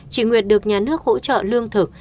chị nguyệt được nhà nước hỗ trợ lương thực